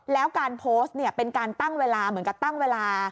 แล้วการโพสต์เนี่ยเป็นการตั้งเวลาเหมือนกับตั้งเวลา